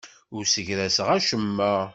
Ur ssegraseɣ acemma.